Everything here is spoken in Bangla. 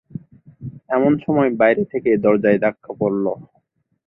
এমন সময় বাইরে থেকে দরজায় ধাক্কা পড়ল।